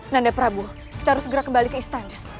nanda prabu kita harus segera kembali ke istana